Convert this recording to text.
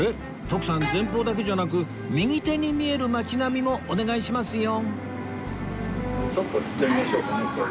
徳さん前方だけじゃなく右手に見える街並みもお願いしますよ